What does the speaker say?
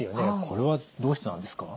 これはどうしてなんですか？